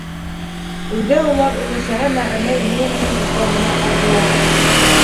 Өйҙә улар өләсәһе Нәғимә инәй менән икәү генә ҡалдылар.